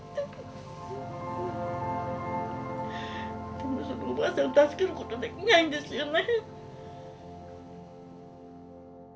でもそのおばあさん助けることできないんですよね。